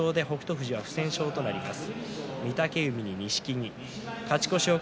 富士は不戦勝となります。